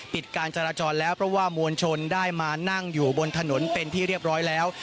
การจราจรแล้วเพราะว่ามวลชนได้มานั่งอยู่บนถนนเป็นที่เรียบร้อยแล้ว